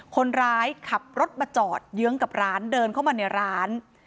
คนร้ายขับรถมาจอดเยื้องกับร้านเดินเข้ามาในร้าน